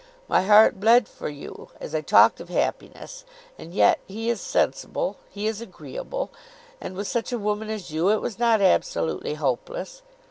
My heart bled for you, as I talked of happiness; and yet he is sensible, he is agreeable, and with such a woman as you, it was not absolutely hopeless.